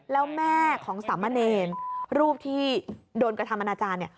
แล้วแม่ของสามเณรรูปที่โดนกระทำอนาจารย์เนี่ย